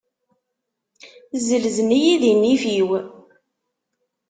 Zzelzen-iyi di nnif-iw.